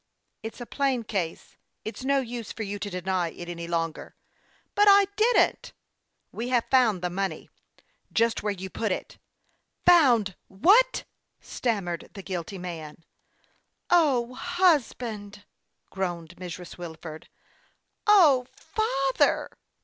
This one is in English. "It's a plain case. It's no use for you to deny it any longer." " But I didn't." "We have found the money, just where you put it." 94 HASTE AND WASTE, OB " Found what !" stammered the guilty man. " O, husband !" groaned Mrs. Wilford. " O, father